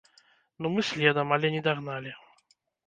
Ну мы следам, але не дагналі.